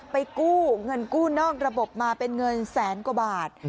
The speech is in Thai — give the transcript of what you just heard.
กู้เงินกู้นอกระบบมาเป็นเงินแสนกว่าบาท